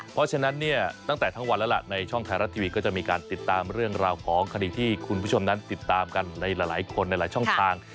เพราะฉะนั้นเนี่ยตั้งแต่ทั้งวันแล้วล่ะในช่องไทยรัฐทีวีก็จะมีการติดตามเรื่องราวของคดีที่คุณผู้ชมนั้นติดตามกันในหลายคนในหลายช่องทาง